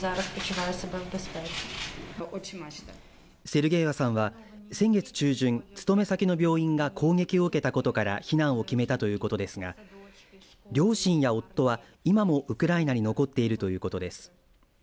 セルゲエワさんは先月中旬、勤め先の病院が攻撃を受けたことから避難を決めたということですが両親や夫は今もウクライナに残っているということです。